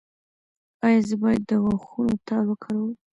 ایا زه باید د غاښونو تار وکاروم؟